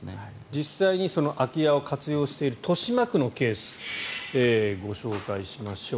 実際に空き家を活用している豊島区のケースをご紹介しましょう。